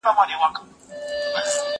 شګه د کتابتوننۍ له خوا پاکيږي؟!